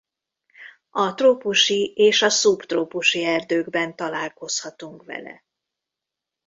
A trópusi és a szubtrópusi erdőkben találkozhatunk vele.